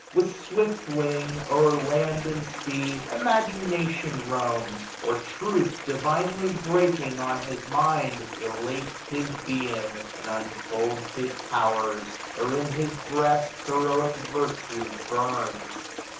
With swift wing, ' O'er land and sea imagination roams; Or truth, divinely breaking on his mind. Elates his being, and unfolds his powers ; 1335 Or in his breast heroic virtue burns.